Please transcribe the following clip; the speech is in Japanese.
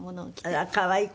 あら可愛い。